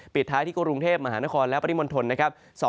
ปิดท้ายที่กรุงเทพมหานครและปริมณฑลนะครับ